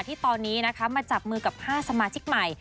ที่ตอนนี้นะคะมาจับมือกับ๕สมาชิกใหม่